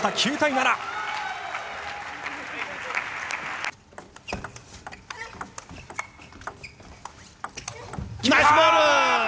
ナイスボール！